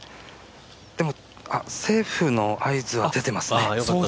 でもセーフの合図は出ていますね。